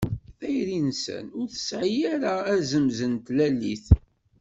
Tayri-nsen ur tesɛi ara azemz n tlalit.